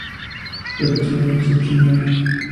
Fue tío de Josep Suñol.